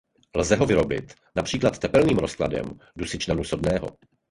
Lze ho vyrobit například tepelným rozkladem dusičnanu sodného.